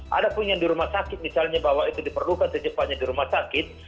ada dua ribu tiga belas di rumah sakit misalnya bahwa itu diperlukan tes cepatnya di rumah sakit